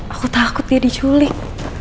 aku takut dia diculik